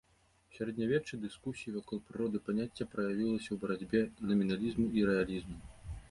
У сярэднявеччы дыскусіі вакол прыроды паняцця праявіліся ў барацьбе наміналізму і рэалізму.